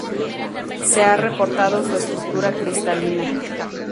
Se ha reportado su estructura cristalina.